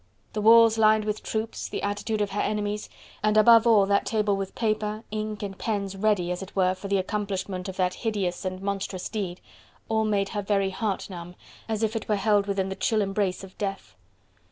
The walls lined with troops, the attitude of her enemies, and above all that table with paper, ink and pens ready as it were for the accomplishment of the hideous and monstrous deed, all made her very heart numb, as if it were held within the chill embrace of death.